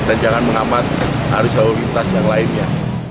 dan jangan mengamat harus haluritas yang lainnya